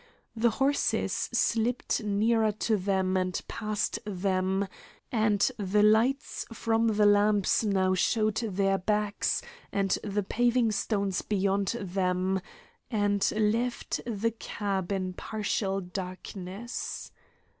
The horses slipped nearer to them and passed them, and the lights from the lamps now showed their backs and the paving stones beyond them, and left the cab in partial darkness.